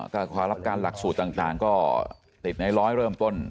ก็ขอรับการหลักสูตรต่างก็ติดในร้อยเริ่มต้น